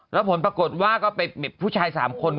แล้วผลปรากฏว่าก็เป็นผู้ชาย๓คน